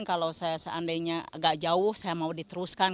kalau saya seandainya agak jauh saya mau diteruskan